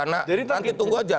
nanti tunggu saja